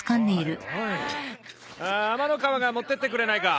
あ天ノ河が持ってってくれないか。